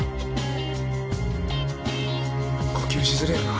呼吸しづれえよな。